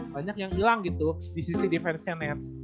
banyak yang hilang gitu di sisi defense nya nets